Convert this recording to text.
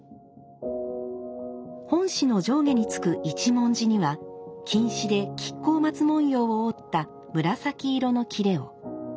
本紙の上下に付く一文字には金糸で亀甲松文様を織った紫色の裂を。